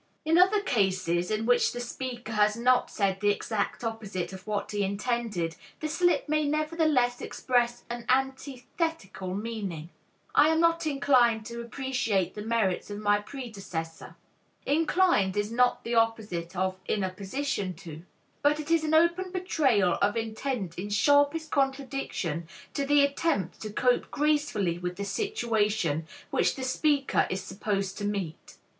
In other cases in which the speaker has not said the exact opposite of what he intended, the slip may nevertheless express an antithetical meaning. "I am not inclined to appreciate the merits of my predecessor." "Inclined" is not the opposite of "in a position to," but it is an open betrayal of intent in sharpest contradiction to the attempt to cope gracefully with the situation which the speaker is supposed to meet.